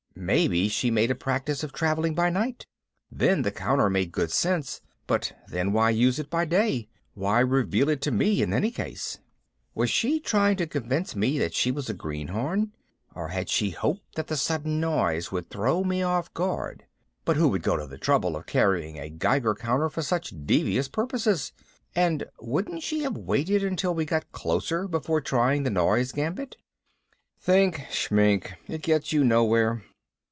Maybe she made a practice of traveling by night! Then the counter made good sense. But then why use it by day? Why reveal it to me in any case? Was she trying to convince me that she was a greenhorn? Or had she hoped that the sudden noise would throw me off guard? But who would go to the trouble of carrying a Geiger counter for such devious purposes? And wouldn't she have waited until we got closer before trying the noise gambit? Think shmink it gets you nowhere!